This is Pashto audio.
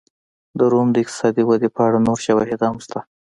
د روم د اقتصادي ودې په اړه نور شواهد هم شته